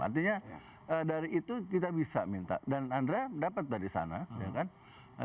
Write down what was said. artinya dari itu kita bisa minta dan andra dapat dari sana ya kan